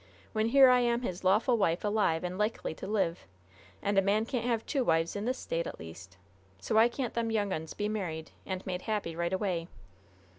When here I am his lawful wife, alive, and likely to live! And a man can't have two wives, in this State, at least! So why can't them young uns be married, and made happy right away?"